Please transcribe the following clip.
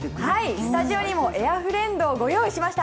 スタジオにもエアフレンドをご用意しました。